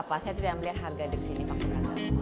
pembelian perhiasan unik